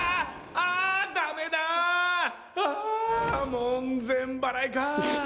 あぁ門前払いか。